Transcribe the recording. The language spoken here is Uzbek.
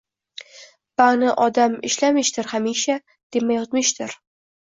Bani odam ishlamishdir hamisha, dema yotmishdir